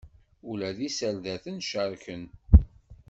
Ula d iserdasen cerken.